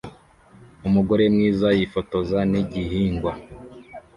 Umugore mwiza yifotoza nigihingwa